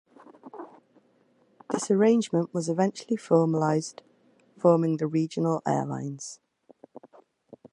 This arrangement was eventually formalized, forming the regional airlines.